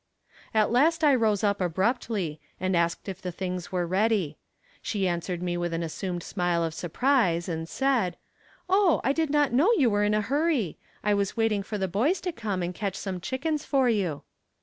At last I rose up abruptly, and asked her if the things were ready. She answered me with an assumed smile of surprise, and said: "Oh, I did not know that you were in a hurry: I was waiting for the boys to come and catch some chickens for you."